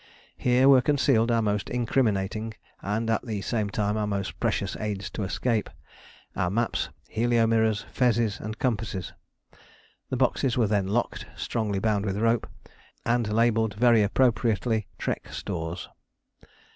Here were concealed our most incriminating and at the same time our most precious aids to escape: our maps, helio mirrors, fezes, and compasses. The boxes were then locked, strongly bound with rope, and labelled very appropriately, "Trek Stores."